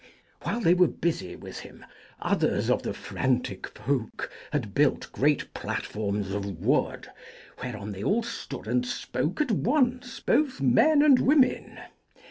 While they were busy with him, others of the frantic folk had built great platforms of wood, whereon they all stood and spoke at once, both men and women.